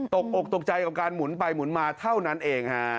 ตกอกตกใจกับการหมุนไปหมุนมาเท่านั้นเองฮะ